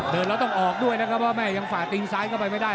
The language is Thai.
เดินแล้วต้องออกด้วยนะครับเพราะแม่ยังฝ่าตีนซ้ายเข้าไปไม่ได้